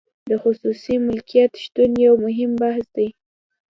د خصوصي مالکیت شتون یو مهم بحث دی.